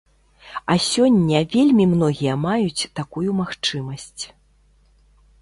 А сёння вельмі многія маюць такую магчымасць.